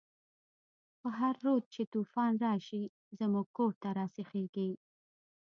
په هر رود چی توفان راشی، زمونږ کور ته راسیخیږی